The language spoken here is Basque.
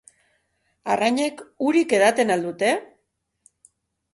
Arrainek urik edaten al dute?